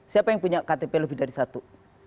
siapa yang punya ktp lebih dari satu